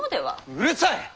うるさい！